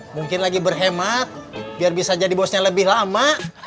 mungkin lagi berhemat biar bisa jadi bosnya lebih lama